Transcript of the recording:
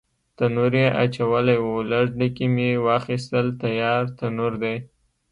تنور یې اچولی و، لږ ډکي مې واخیستل، تیار تنور دی.